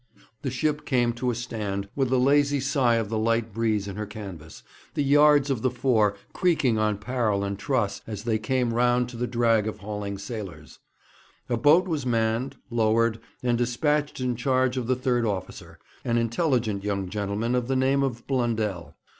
The ship came to a stand, with a lazy sigh of the light breeze in her canvas, the yards of the fore creaking on parrel and truss as they came round to the drag of hauling sailors. A boat was manned, lowered, and despatched in charge of the third officer, an intelligent young gentleman of the name of Blundell.